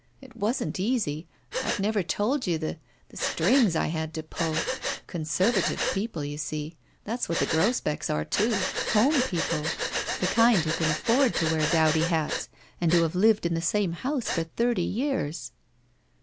It wasn't easy. I've never told you the — strings I had to pull. Conservative people, you see. That's what the Grosbecks are, too. Home people. The kind who can afford to wear dowdy hats and who have lived in the same house for thirty years."